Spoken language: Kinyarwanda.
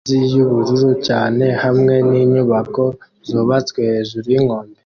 Amazi yubururu cyane hamwe ninyubako zubatswe hejuru yinkombe